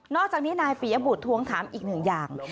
อกจากนี้นายปียบุตรทวงถามอีกหนึ่งอย่าง